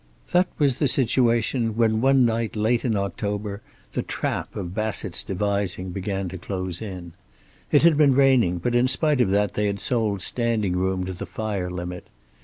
That was the situation when, one night late in October, the trap of Bassett's devising began to close in. It had been raining, but in spite of that they had sold standing room to the fire limit.